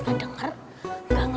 berarti aku jadi hantu